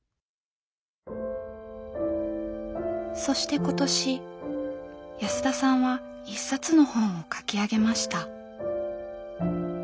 そして今年安田さんは一冊の本を書き上げました。